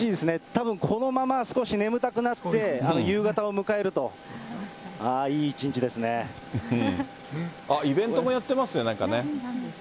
たぶんこのまま少し眠たくなって、夕方を迎えると、あっ、イベントもやってますね、なんかね。